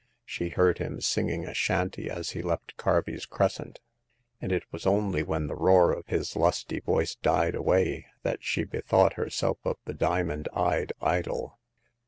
She heard him singing a chanty as he left Carby's Crescent, and it was only when the roar of his lusty voice died away that she bethought herself of the diamond eyed idol.